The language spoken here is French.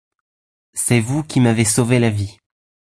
C’est vous qui m’avez sauvé la vie.